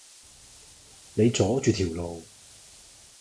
你阻住條路